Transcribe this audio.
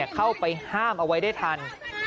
เข้าไปห้ามเอาไว้ได้ทัน